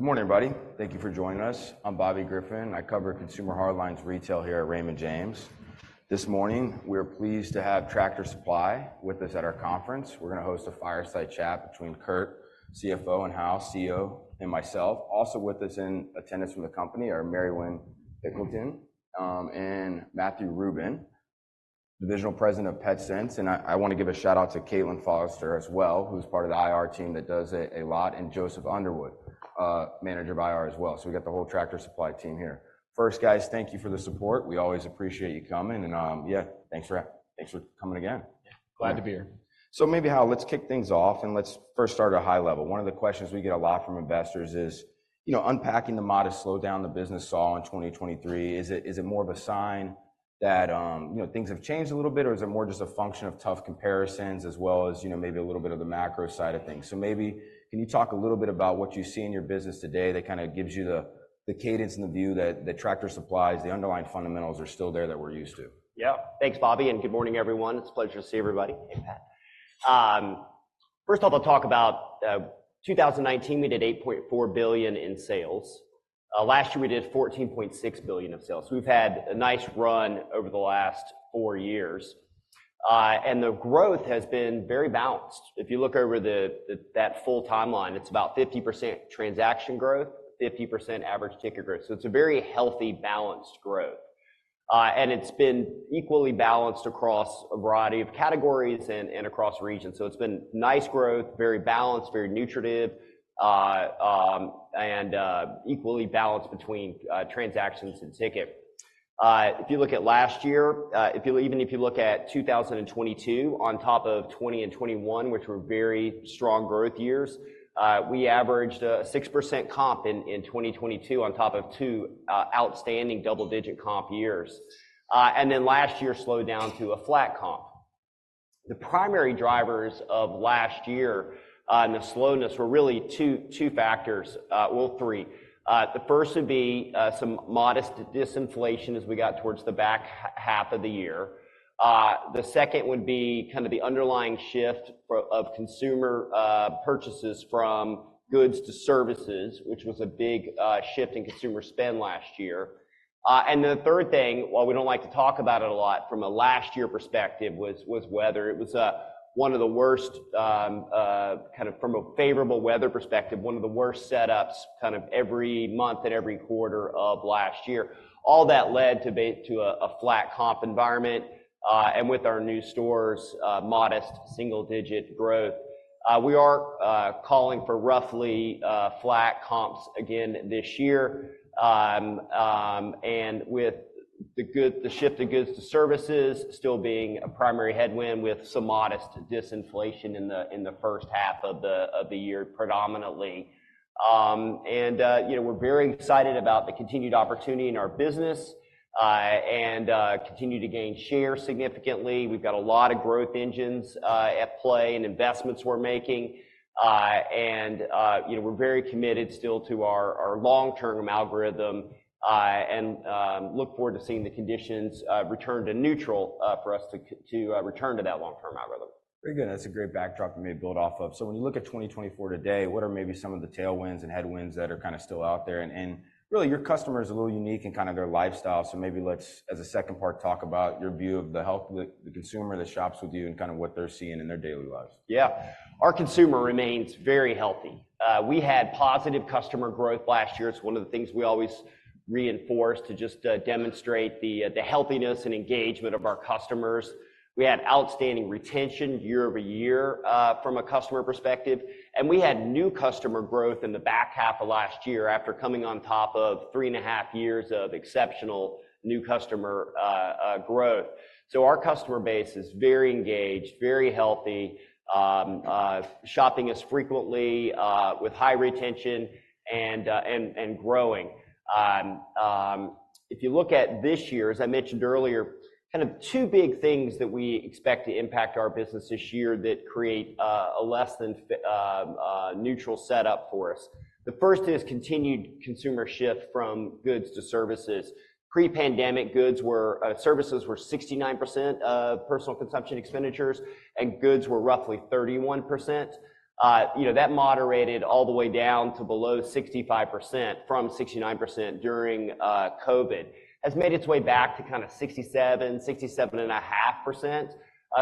Good morning, buddy. Thank you for joining us. I'm Bobby Griffin. I cover consumer hard lines retail here at Raymond James. This morning, we are pleased to have Tractor Supply with us at our conference. We're going to host a fireside chat between Kurt, CFO, and Hal, CEO, and myself. Also with us in attendance from the company are Mary Winn Pilkington and Matthew Rubin, the Senior Vice President of Petsense. And I want to give a shout out to Katelyn Foster as well, who's part of the IR team that does it a lot, and Joseph Underwood, manager of IR as well. So we got the whole Tractor Supply team here. First, guys, thank you for the support. We always appreciate you coming. And yeah, thanks for coming again. Glad to be here. So maybe, Hal, let's kick things off and let's first start at a high level. One of the questions we get a lot from investors is, you know, unpacking the modest slowdown the business saw in 2023, is it more of a sign that things have changed a little bit, or is it more just a function of tough comparisons as well as maybe a little bit of the macro side of things? So maybe can you talk a little bit about what you see in your business today that kind of gives you the cadence and the view that Tractor Supply's, the underlying fundamentals are still there that we're used to? Yeah. Thanks, Bobby. Good morning, everyone. It's a pleasure to see everybody. First off, I'll talk about 2019. We did $8.4 billion in sales. Last year, we did $14.6 billion of sales. We've had a nice run over the last four years. The growth has been very balanced. If you look over that full timeline, it's about 50% transaction growth, 50% average ticket growth. It's a very healthy, balanced growth. It's been equally balanced across a variety of categories and across regions. It's been nice growth, very balanced, very nutritive, and equally balanced between transactions and ticket. If you look at last year, even if you look at 2022 on top of 2020 and 2021, which were very strong growth years, we averaged a 6% comp in 2022 on top of two outstanding double-digit comp years. And then last year slowed down to a flat comp. The primary drivers of last year and the slowness were really two factors, well, three. The first would be some modest disinflation as we got towards the back half of the year. The second would be kind of the underlying shift of consumer purchases from goods to services, which was a big shift in consumer spend last year. And the third thing, while we don't like to talk about it a lot from a last year perspective, was weather. It was one of the worst kind of from a favorable weather perspective, one of the worst setups kind of every month and every quarter of last year. All that led to a flat comp environment. And with our new stores, modest single-digit growth. We are calling for roughly flat comps again this year. With the shift of goods to services still being a primary headwind with some modest disinflation in the first half of the year predominantly. We're very excited about the continued opportunity in our business and continue to gain share significantly. We've got a lot of growth engines at play and investments we're making. We're very committed still to our long-term algorithm and look forward to seeing the conditions return to neutral for us to return to that long-term algorithm. Very good. That's a great backdrop to maybe build off of. So when you look at 2024 today, what are maybe some of the tailwinds and headwinds that are kind of still out there? And really, your customer is a little unique in kind of their lifestyle. So maybe let's, as a second part, talk about your view of the health of the consumer that shops with you and kind of what they're seeing in their daily lives. Yeah. Our consumer remains very healthy. We had positive customer growth last year. It's one of the things we always reinforce to just demonstrate the healthiness and engagement of our customers. We had outstanding retention year-over-year from a customer perspective. We had new customer growth in the back half of last year after coming on top of three and a half years of exceptional new customer growth. So our customer base is very engaged, very healthy, shopping us frequently with high retention and growing. If you look at this year, as I mentioned earlier, kind of two big things that we expect to impact our business this year that create a less than neutral setup for us. The first is continued consumer shift from goods to services. Pre-pandemic, services were 69% of personal consumption expenditures, and goods were roughly 31%. That moderated all the way down to below 65% from 69% during COVID, has made its way back to kind of 67, 67.5%.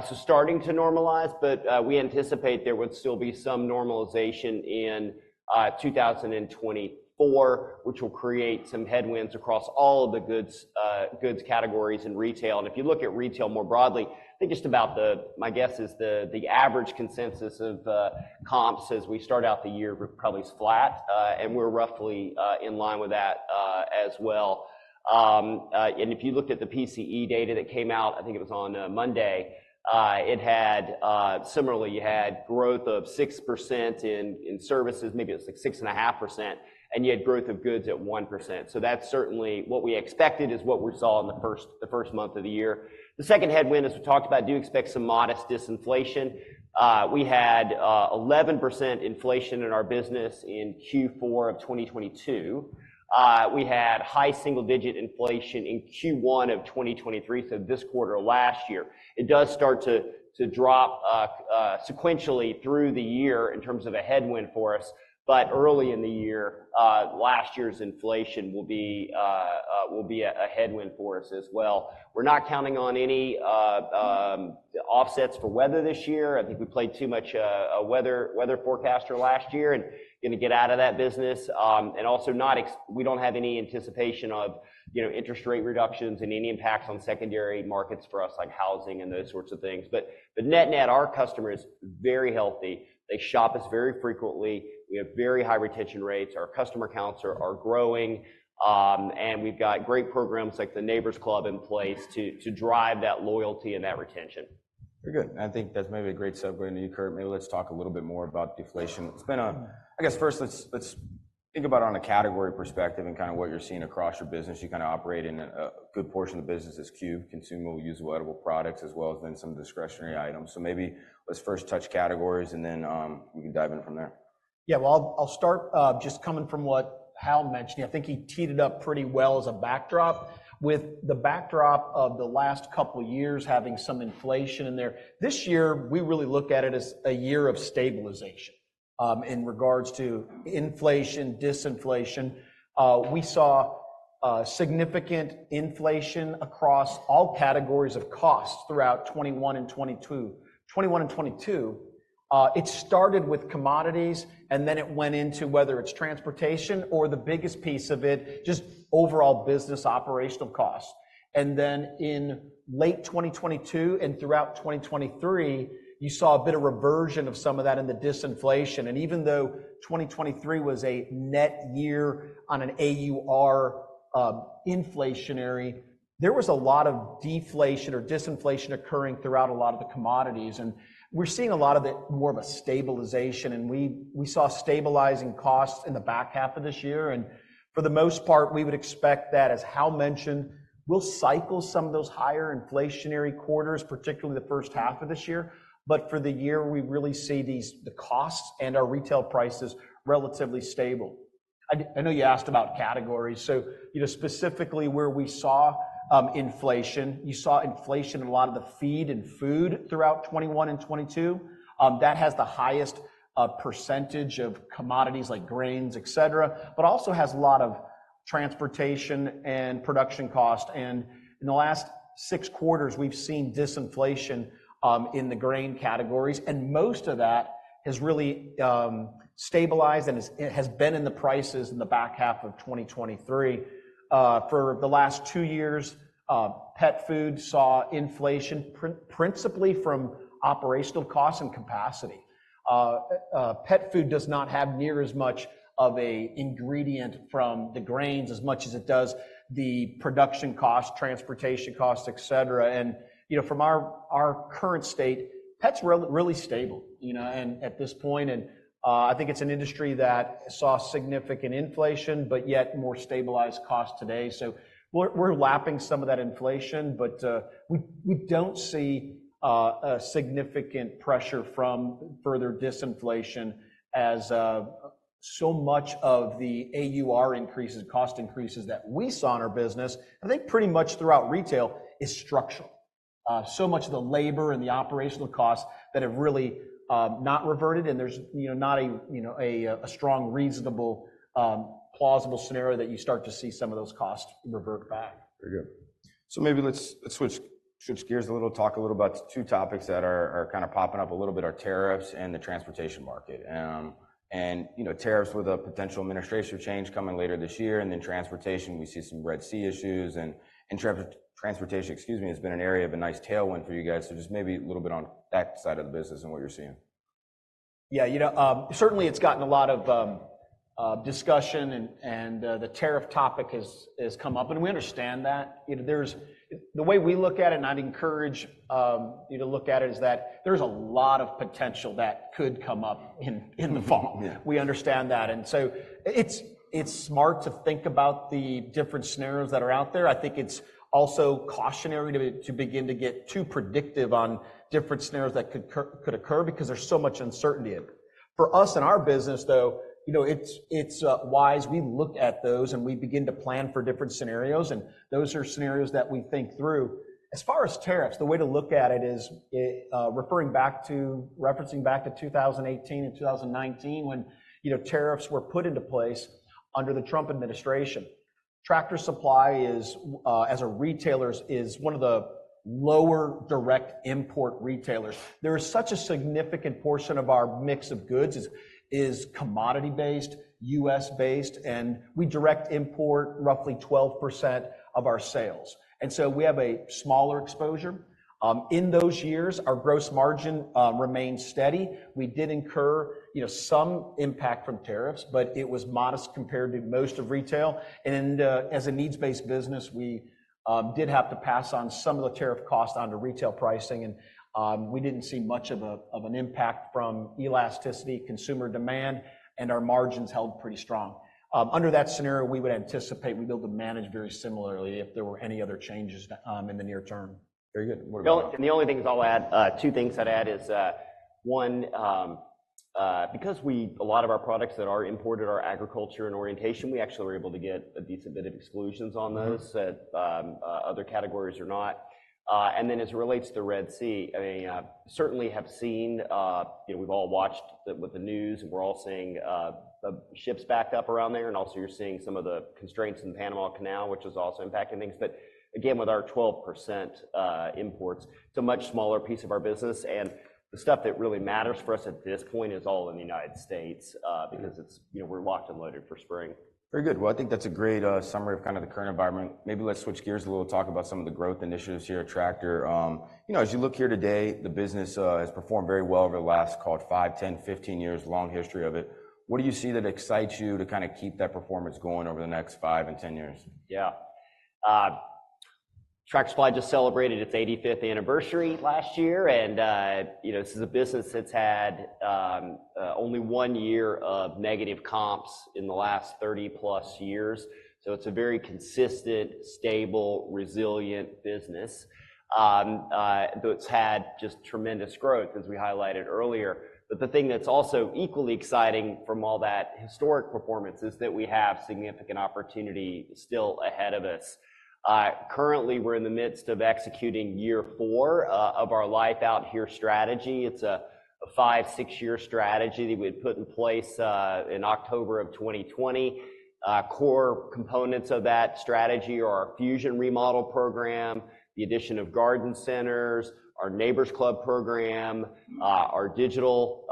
So starting to normalize, but we anticipate there would still be some normalization in 2024, which will create some headwinds across all of the goods categories in retail. If you look at retail more broadly, I think just about the, my guess is, the average consensus of comps as we start out the year probably is flat. And we're roughly in line with that as well. And if you looked at the PCE data that came out, I think it was on Monday, it had similarly, you had growth of 6% in services, maybe it was like 6.5%, and you had growth of goods at 1%. So that's certainly what we expected is what we saw in the first month of the year. The second headwind, as we talked about, do expect some modest disinflation. We had 11% inflation in our business in Q4 of 2022. We had high single-digit inflation in Q1 of 2023, so this quarter of last year. It does start to drop sequentially through the year in terms of a headwind for us. But early in the year, last year's inflation will be a headwind for us as well. We're not counting on any offsets for weather this year. I think we played too much a weather forecaster last year and going to get out of that business. And also we don't have any anticipation of interest rate reductions and any impacts on secondary markets for us like housing and those sorts of things. But net net, our customer is very healthy. They shop us very frequently. We have very high retention rates. Our customer counts are growing. And we've got great programs like the Neighbors Club in place to drive that loyalty and that retention. Very good. And I think that's maybe a great segue into you, Kurt. Maybe let's talk a little bit more about deflation. I guess first, let's think about it on a category perspective and kind of what you're seeing across your business. You kind of operate in a good portion of the business as C.U.E., consumable, usable, edible products, as well as then some discretionary items. So maybe let's first touch categories and then we can dive in from there. Yeah. Well, I'll start just coming from what Hal mentioned. I think he teed it up pretty well as a backdrop with the backdrop of the last couple of years having some inflation in there. This year, we really look at it as a year of stabilization in regards to inflation, disinflation. We saw significant inflation across all categories of costs throughout 2021 and 2022. 2021 and 2022, it started with commodities and then it went into whether it's transportation or the biggest piece of it, just overall business operational costs. And then in late 2022 and throughout 2023, you saw a bit of reversion of some of that in the disinflation. And even though 2023 was a net year on an AUR inflationary, there was a lot of deflation or disinflation occurring throughout a lot of the commodities. And we're seeing a lot of it more of a stabilization. We saw stabilizing costs in the back half of this year. For the most part, we would expect that, as Hal mentioned, we'll cycle some of those higher inflationary quarters, particularly the first half of this year. But for the year, we really see the costs and our retail prices relatively stable. I know you asked about categories. Specifically where we saw inflation, you saw inflation in a lot of the feed and food throughout 2021 and 2022. That has the highest percentage of commodities like grains, etc. But also has a lot of transportation and production costs. In the last six quarters, we've seen disinflation in the grain categories. Most of that has really stabilized and has been in the prices in the back half of 2023. For the last two years, pet food saw inflation principally from operational costs and capacity. Pet food does not have near as much of an ingredient from the grains as much as it does the production costs, transportation costs, etc. And from our current state, pets really stable at this point. And I think it's an industry that saw significant inflation, but yet more stabilized costs today. So we're lapping some of that inflation, but we don't see a significant pressure from further disinflation as so much of the AUR increases, cost increases that we saw in our business, I think pretty much throughout retail is structural. So much of the labor and the operational costs that have really not reverted. And there's not a strong, reasonable, plausible scenario that you start to see some of those costs revert back. Very good. So maybe let's switch gears a little, talk a little about two topics that are kind of popping up a little bit: tariffs and the transportation market. And tariffs with a potential administration change coming later this year. And then transportation, we see some Red Sea issues. And transportation, excuse me, has been an area of a nice tailwind for you guys. So just maybe a little bit on that side of the business and what you're seeing. Yeah. Certainly, it's gotten a lot of discussion and the tariff topic has come up. We understand that. The way we look at it, and I'd encourage you to look at it, is that there's a lot of potential that could come up in the fall. We understand that. So it's smart to think about the different scenarios that are out there. I think it's also cautionary to begin to get too predictive on different scenarios that could occur because there's so much uncertainty in it. For us and our business, though, it's wise we look at those and we begin to plan for different scenarios. Those are scenarios that we think through. As far as tariffs, the way to look at it is referring back to 2018 and 2019 when tariffs were put into place under the Trump administration. Tractor Supply, as a retailer, is one of the lower direct import retailers. There is such a significant portion of our mix of goods is commodity-based, U.S.-based. We direct import roughly 12% of our sales. So we have a smaller exposure. In those years, our gross margin remained steady. We did incur some impact from tariffs, but it was modest compared to most of retail. As a needs-based business, we did have to pass on some of the tariff costs onto retail pricing. We didn't see much of an impact from elasticity, consumer demand, and our margins held pretty strong. Under that scenario, we would anticipate we'd be able to manage very similarly if there were any other changes in the near term. Very good. And the only thing is, I'll add two things I'd add is one, because a lot of our products that are imported are agriculturally oriented, we actually were able to get a decent bit of exclusions on those that other categories are not. And then as it relates to the Red Sea, I mean, certainly have seen, we've all watched with the news and we're all seeing the ships backed up around there. And also you're seeing some of the constraints in the Panama Canal, which is also impacting things. But again, with our 12% imports, it's a much smaller piece of our business. And the stuff that really matters for us at this point is all in the United States because we're locked and loaded for spring. Very good. Well, I think that's a great summary of kind of the current environment. Maybe let's switch gears a little, talk about some of the growth initiatives here at Tractor. As you look here today, the business has performed very well over the last, call it, 5, 10, 15 years, long history of it. What do you see that excites you to kind of keep that performance going over the next 5 and 10 years? Yeah. Tractor Supply just celebrated its 85th anniversary last year. This is a business that's had only one year of negative comps in the last 30+ years. It's a very consistent, stable, resilient business. Though it's had just tremendous growth, as we highlighted earlier. But the thing that's also equally exciting from all that historic performance is that we have significant opportunity still ahead of us. Currently, we're in the midst of executing year 4 of our Life Out Here strategy. It's a 5-6-year strategy that we had put in place in October of 2020. Core components of that strategy are our Fusion remodel program, the addition of garden centers, our Neighbors Club program, our digital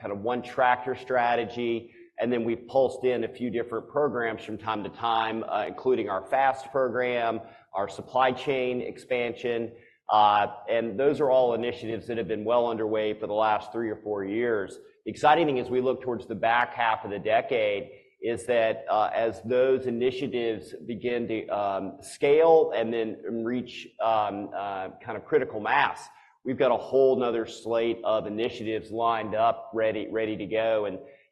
kind of One Tractor strategy. And then we've pulsed in a few different programs from time to time, including our FAST program, our supply chain expansion. And those are all initiatives that have been well underway for the last 3 or 4 years. The exciting thing as we look towards the back half of the decade is that as those initiatives begin to scale and then reach kind of critical mass, we've got a whole nother slate of initiatives lined up ready to go.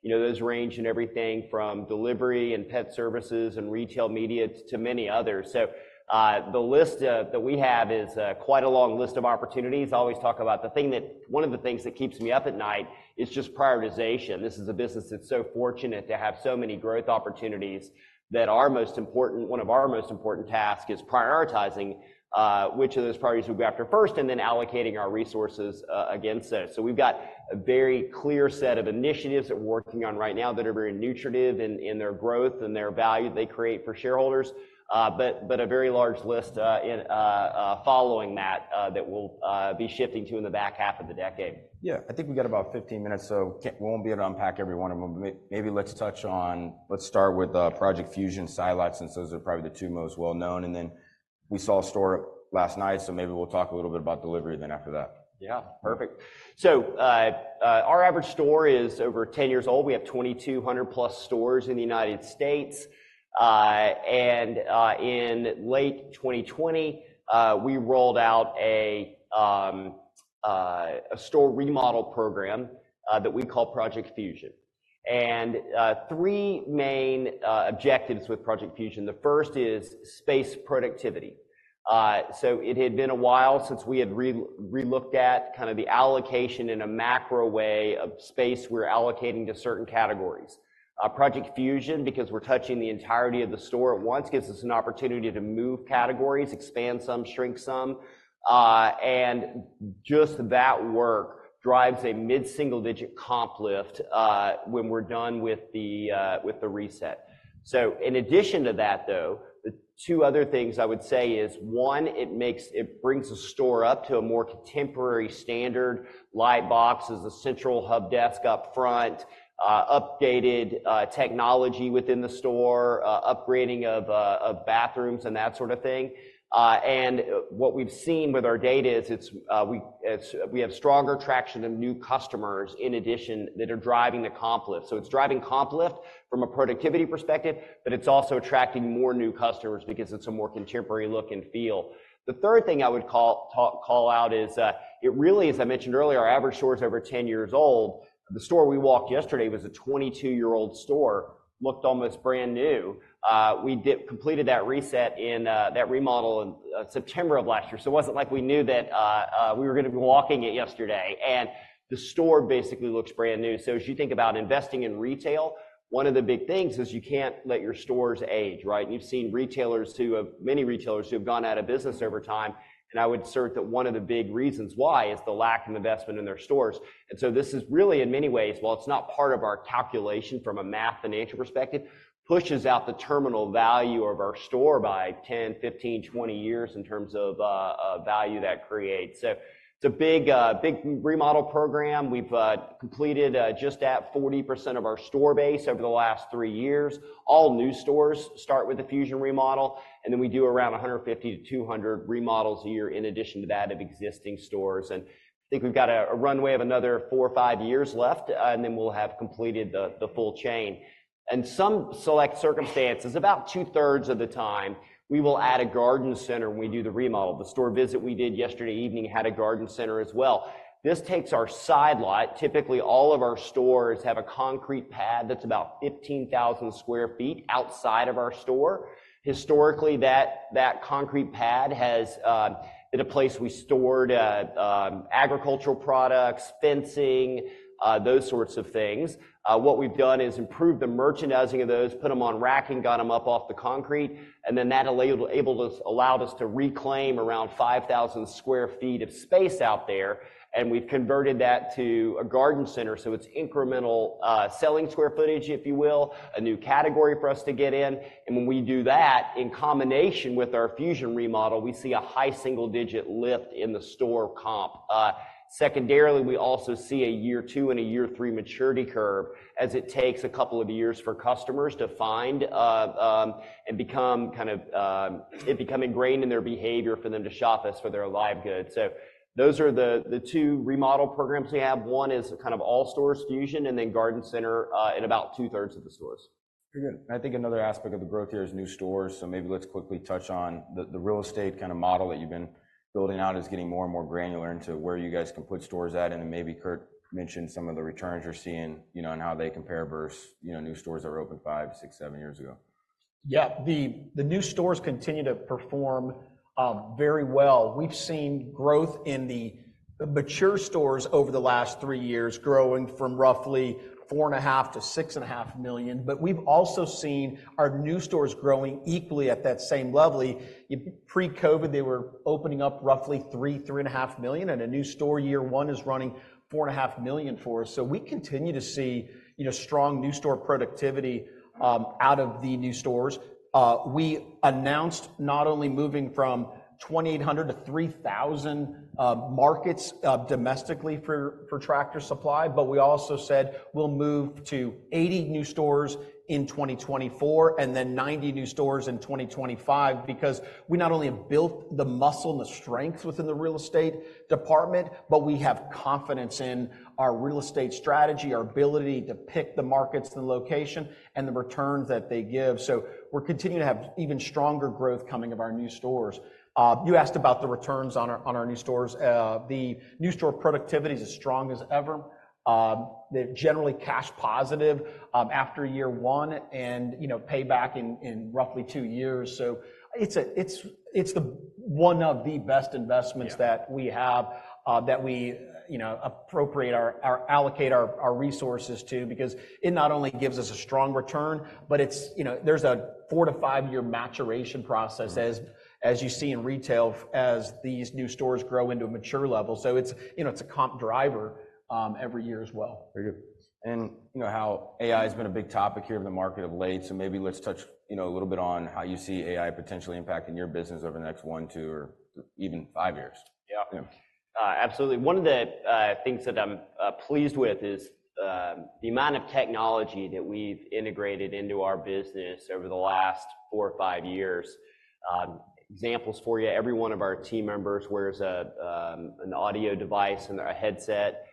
And those range in everything from delivery and pet services and retail media to many others. So the list that we have is quite a long list of opportunities. I always talk about the thing that one of the things that keeps me up at night is just prioritization. This is a business that's so fortunate to have so many growth opportunities that one of our most important tasks is prioritizing which of those priorities we go after first and then allocating our resources against those. So we've got a very clear set of initiatives that we're working on right now that are very nutritive in their growth and their value that they create for shareholders. But a very large list following that that we'll be shifting to in the back half of the decade. Yeah. I think we got about 15 minutes. So we won't be able to unpack everyone. And maybe let's touch on let's start with Project Fusion, Side Lot since those are probably the two most well-known. And then we saw a store last night. So maybe we'll talk a little bit about delivery then after that. Yeah. Perfect. So our average store is over 10 years old. We have 2,200+ stores in the United States. And in late 2020, we rolled out a store remodel program that we call Project Fusion. And 3 main objectives with Project Fusion. The first is space productivity. So it had been a while since we had relooked at kind of the allocation in a macro way of space we're allocating to certain categories. Project Fusion, because we're touching the entirety of the store at once, gives us an opportunity to move categories, expand some, shrink some. And just that work drives a mid-single-digit comp lift when we're done with the reset. So in addition to that, though, the two other things I would say is, one, it brings the store up to a more contemporary standard. Light boxes, a central hub desk up front, updated technology within the store, upgrading of bathrooms, and that sort of thing. What we've seen with our data is we have stronger traction of new customers in addition that are driving the comp lift. So it's driving comp lift from a productivity perspective, but it's also attracting more new customers because it's a more contemporary look and feel. The third thing I would call out is it really, as I mentioned earlier, our average store is over 10 years old. The store we walked yesterday was a 22-year-old store, looked almost brand new. We completed that reset, that remodel, in September of last year. So it wasn't like we knew that we were going to be walking it yesterday. And the store basically looks brand new. So as you think about investing in retail, one of the big things is you can't let your stores age, right? And you've seen many retailers who have gone out of business over time. And I would assert that one of the big reasons why is the lack of investment in their stores. And so this is really, in many ways, while it's not part of our calculation from a math financial perspective, pushes out the terminal value of our store by 10, 15, 20 years in terms of value that creates. So it's a big remodel program. We've completed just at 40% of our store base over the last three years. All new stores start with a Fusion remodel. And then we do around 150-200 remodels a year in addition to that of existing stores. I think we've got a runway of another 4 or 5 years left. Then we'll have completed the full chain. In some select circumstances, about two-thirds of the time, we will add a garden center when we do the remodel. The store visit we did yesterday evening had a garden center as well. This takes our side lot. Typically, all of our stores have a concrete pad that's about 15,000 sq ft outside of our store. Historically, that concrete pad had a place we stored agricultural products, fencing, those sorts of things. What we've done is improve the merchandising of those, put them on racking, got them up off the concrete. Then that allowed us to reclaim around 5,000 sq ft of space out there. We've converted that to a garden center. So it's incremental selling square footage, if you will, a new category for us to get in. And when we do that in combination with our Fusion remodel, we see a high single-digit lift in the store comp. Secondarily, we also see a year two and a year three maturity curve as it takes a couple of years for customers to find and become kind of ingrained in their behavior for them to shop us for their live goods. So those are the two remodel programs we have. One is kind of all-stores Fusion and then Garden Center in about two-thirds of the stores. Very good. And I think another aspect of the growth here is new stores. So maybe let's quickly touch on the real estate kind of model that you've been building out is getting more and more granular into where you guys can put stores at. And then maybe Kurt mentioned some of the returns you're seeing and how they compare versus new stores that were opened 5, 6, 7 years ago. Yeah. The new stores continue to perform very well. We've seen growth in the mature stores over the last three years growing from roughly $4.5 million-$6.5 million. But we've also seen our new stores growing equally at that same level. Pre-COVID, they were opening up roughly $3 million-$3.5 million. And a new store year one is running $4.5 million for us. So we continue to see strong new store productivity out of the new stores. We announced not only moving from 2,800-3,000 markets domestically for Tractor Supply, but we also said we'll move to 80 new stores in 2024 and then 90 new stores in 2025 because we not only have built the muscle and the strength within the real estate department, but we have confidence in our real estate strategy, our ability to pick the markets and the location, and the returns that they give. So we're continuing to have even stronger growth coming out of our new stores. You asked about the returns on our new stores. The new store productivity is as strong as ever. They're generally cash positive after year 1 and pay back in roughly 2 years. So it's one of the best investments that we have that we allocate our resources to because it not only gives us a strong return, but there's a 4- to 5-year maturation process, as you see in retail, as these new stores grow into a mature level. So it's a comp driver every year as well. Very good. And how AI has been a big topic here in the market of late. So maybe let's touch a little bit on how you see AI potentially impacting your business over the next one, two, or even five years. Yeah. Absolutely. One of the things that I'm pleased with is the amount of technology that we've integrated into our business over the last four or five years. Examples for you, every one of our team members wears an Android device and a headset.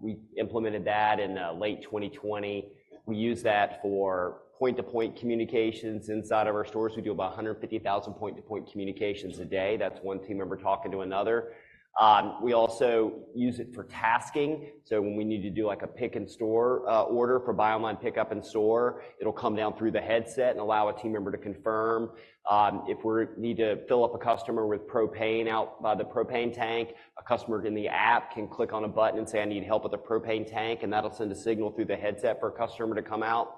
We implemented that in late 2020. We use that for point-to-point communications inside of our stores. We do about 150,000 point-to-point communications a day. That's one team member talking to another. We also use it for tasking. So when we need to do a pick-in-store order for buy online pickup in store, it'll come down through the headset and allow a team member to confirm. If we need to fill up a customer with propane out by the propane tank, a customer in the app can click on a button and say, "I need help with the propane tank." And that'll send a signal through the headset for a customer to come out.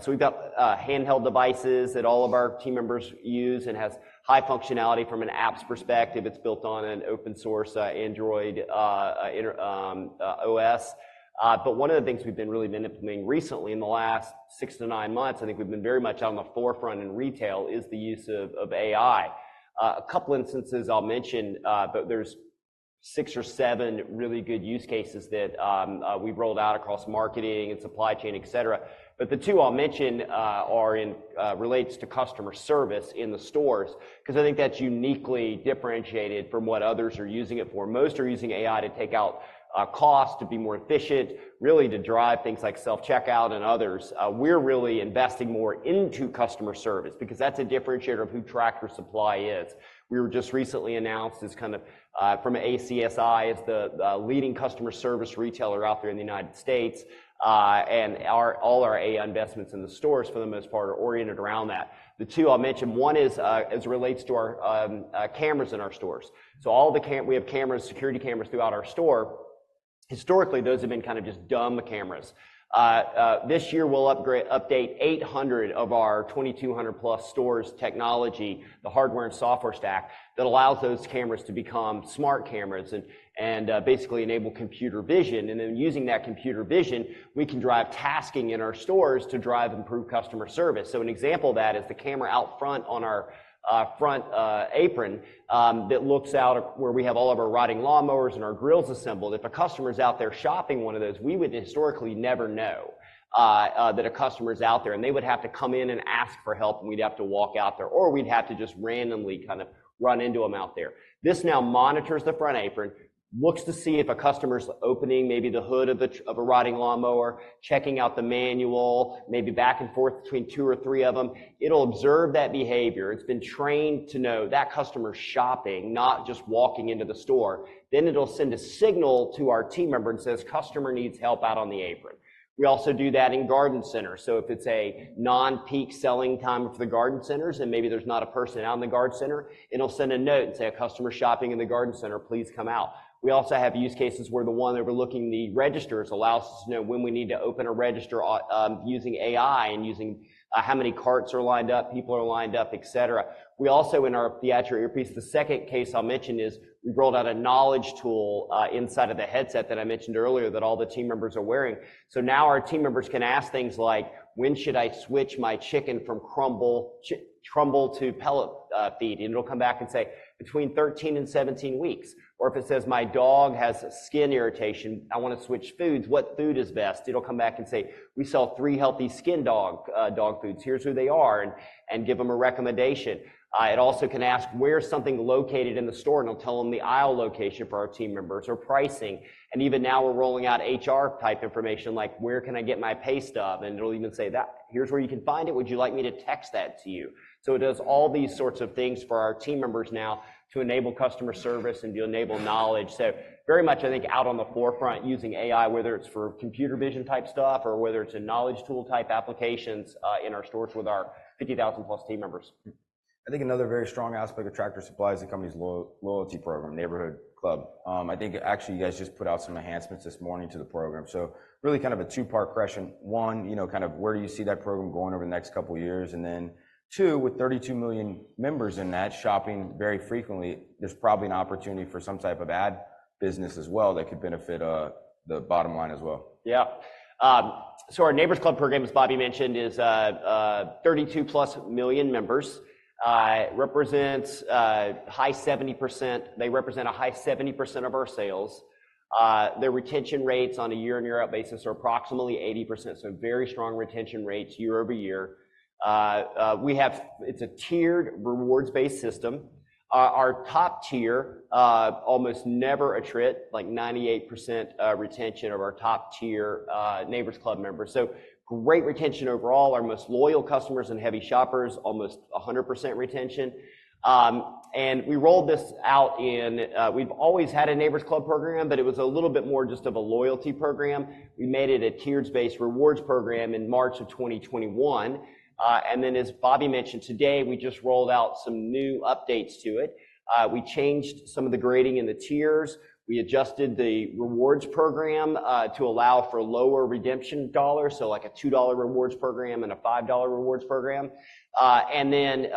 So we've got handheld devices that all of our team members use and has high functionality from an apps perspective. It's built on an open-source Android OS. But one of the things we've been really implementing recently in the last 6-9 months, I think we've been very much out on the forefront in retail, is the use of AI. A couple of instances I'll mention, but there's 6 or 7 really good use cases that we've rolled out across marketing and supply chain, etc. But the two I'll mention relate to customer service in the stores because I think that's uniquely differentiated from what others are using it for. Most are using AI to take out cost, to be more efficient, really to drive things like self-checkout and others. We're really investing more into customer service because that's a differentiator of who Tractor Supply is. We were just recently announced as kind of from ACSI as the leading customer service retailer out there in the United States. And all our AI investments in the stores, for the most part, are oriented around that. The two I'll mention, one is as it relates to our cameras in our stores. So we have cameras, security cameras throughout our store. Historically, those have been kind of just dumb cameras. This year, we'll update 800 of our 2,200+ stores' technology, the hardware and software stack that allows those cameras to become smart cameras and basically enable computer vision. And then using that computer vision, we can drive tasking in our stores to drive improved customer service. So an example of that is the camera out front on our front apron that looks out where we have all of our riding lawnmowers and our grills assembled. If a customer's out there shopping one of those, we would historically never know that a customer's out there. And they would have to come in and ask for help, and we'd have to walk out there. Or we'd have to just randomly kind of run into them out there. This now monitors the front apron, looks to see if a customer's opening maybe the hood of a riding lawnmower, checking out the manual, maybe back and forth between two or three of them. It'll observe that behavior. It's been trained to know that customer's shopping, not just walking into the store. Then it'll send a signal to our team member and says, "Customer needs help out on the apron." We also do that in garden centers. So if it's a non-peak selling time for the garden centers and maybe there's not a person out in the garden center, it'll send a note and say, "A customer's shopping in the garden center. Please come out." We also have use cases where the one overlooking the registers allows us to know when we need to open a register using AI and how many carts are lined up, people are lined up, etc. We also, in our Theatro earpiece, the second case I'll mention is we've rolled out a knowledge tool inside of the headset that I mentioned earlier that all the team members are wearing. So now our team members can ask things like, "When should I switch my chicken from crumble to pellet feed?" And it'll come back and say, "Between 13 and 17 weeks." Or if it says, "My dog has skin irritation. I want to switch foods. What food is best?" It'll come back and say, "We sell three healthy skin dog foods. Here's who they are," and give them a recommendation. It also can ask, "Where's something located in the store?" And it'll tell them the aisle location for our team members or pricing. And even now, we're rolling out HR-type information like, "Where can I get my pay stub?" And it'll even say, "Here's where you can find it. Would you like me to text that to you?" So it does all these sorts of things for our team members now to enable customer service and to enable knowledge. So very much, I think, out on the forefront using AI, whether it's for computer vision-type stuff or whether it's in knowledge tool-type applications in our stores with our 50,000+ team members. I think another very strong aspect of Tractor Supply is the company's loyalty program, Neighbors Club. I think, actually, you guys just put out some enhancements this morning to the program. So really kind of a two-part question. One, kind of where do you see that program going over the next couple of years? And then two, with 32 million members in that shopping very frequently, there's probably an opportunity for some type of ad business as well that could benefit the bottom line as well. Yeah. So our Neighbors Club program, as Bobby mentioned, is 32+ million members. They represent a high 70% of our sales. Their retention rates on a year-over-year basis are approximately 80%. So very strong retention rates year-over-year. It's a tiered rewards-based system. Our top tier, almost never attrit, like 98% retention of our top-tier Neighbors Club members. So great retention overall. Our most loyal customers and heavy shoppers, almost 100% retention. And we rolled this out. We've always had a Neighbors Club program, but it was a little bit more just of a loyalty program. We made it a tiered-based rewards program in March 2021. And then, as Bobby mentioned today, we just rolled out some new updates to it. We changed some of the grading in the tiers. We adjusted the rewards program to allow for lower redemption dollars, so like a $2 rewards program and a $5 rewards program. And then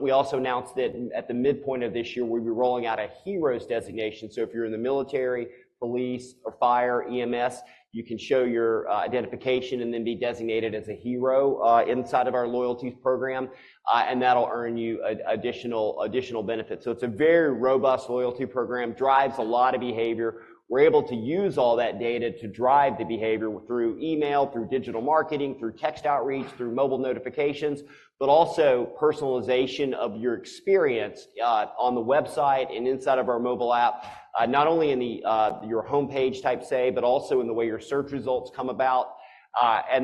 we also announced that at the midpoint of this year, we'll be rolling out a heroes designation. So if you're in the military, police, or fire, EMS, you can show your identification and then be designated as a hero inside of our loyalties program. And that'll earn you additional benefits. So it's a very robust loyalty program. Drives a lot of behavior. We're able to use all that data to drive the behavior through email, through digital marketing, through text outreach, through mobile notifications, but also personalization of your experience on the website and inside of our mobile app, not only in your homepage type, say, but also in the way your search results come about.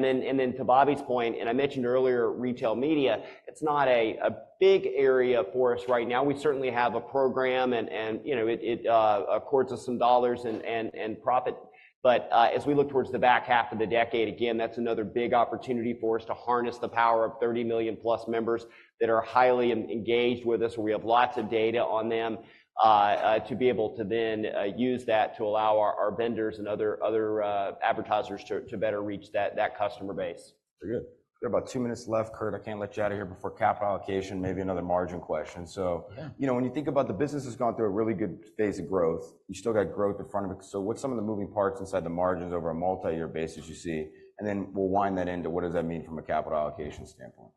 Then to Bobby's point, and I mentioned earlier, retail media, it's not a big area for us right now. We certainly have a program, and it accords us some dollars and profit. But as we look towards the back half of the decade, again, that's another big opportunity for us to harness the power of 30 million+ members that are highly engaged with us, where we have lots of data on them, to be able to then use that to allow our vendors and other advertisers to better reach that customer base. Very good. We've got about two minutes left, Kurt. I can't let you out of here before capital allocation, maybe another margin question. So when you think about the business has gone through a really good phase of growth, you still got growth in front of it. So what's some of the moving parts inside the margins over a multi-year basis you see? And then we'll wind that into what does that mean from a capital allocation standpoint.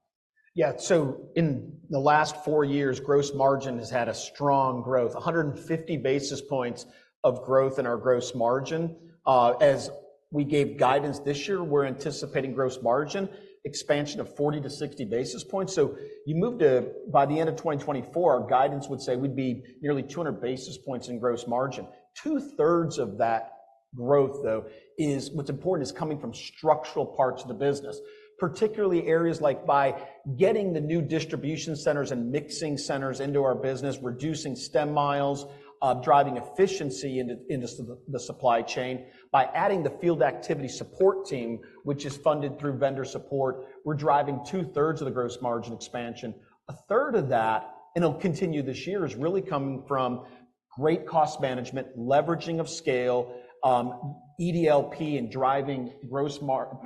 Yeah. So in the last 4 years, gross margin has had a strong growth, 150 basis points of growth in our gross margin. As we gave guidance this year, we're anticipating gross margin expansion of 40-60 basis points. So by the end of 2024, our guidance would say we'd be nearly 200 basis points in gross margin. Two-thirds of that growth, though, what's important is coming from structural parts of the business, particularly areas like by getting the new distribution centers and mixing centers into our business, reducing Stem Miles, driving efficiency into the supply chain. By adding the Field Activity Support Team, which is funded through vendor support, we're driving two-thirds of the gross margin expansion. A third of that, and it'll continue this year, is really coming from great cost management, leveraging of scale, EDLP, and driving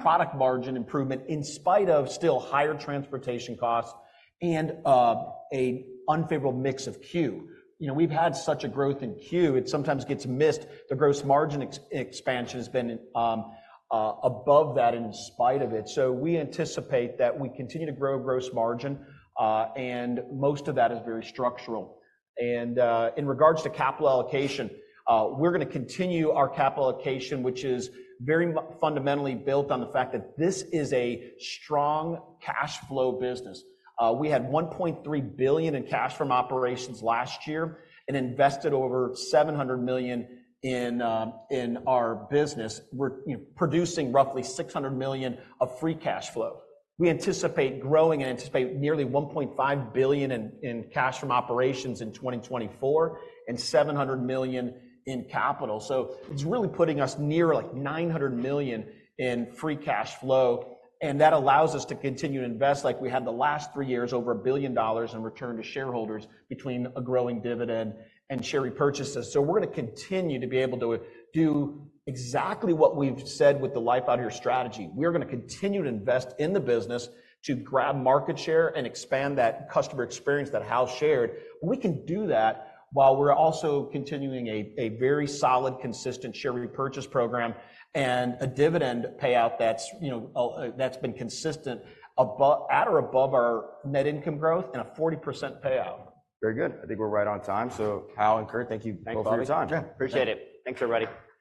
product margin improvement in spite of still higher transportation costs and an unfavorable mix of C.U.E. We've had such a growth in C.U.E. It sometimes gets missed. The gross margin expansion has been above that in spite of it. So we anticipate that we continue to grow gross margin. And most of that is very structural. And in regards to capital allocation, we're going to continue our capital allocation, which is very fundamentally built on the fact that this is a strong cash flow business. We had $1.3 billion in cash from operations last year and invested over $700 million in our business. We're producing roughly $600 million of free cash flow. We anticipate growing and anticipate nearly $1.5 billion in cash from operations in 2024 and $700 million in capital. So it's really putting us near like $900 million in free cash flow. And that allows us to continue to invest. We had the last three years over $1 billion in return to shareholders between a growing dividend and share repurchases. So we're going to continue to be able to do exactly what we've said with the Life Out Here strategy. We're going to continue to invest in the business to grab market share and expand that customer experience, that household shared. We can do that while we're also continuing a very solid, consistent share repurchase program and a dividend payout that's been consistent at or above our net income growth and a 40% payout. Very good. I think we're right on time. So Hal and Kurt, thank you both for your time. Thanks, Bobby. Yeah. Appreciate it. Thanks, everybody.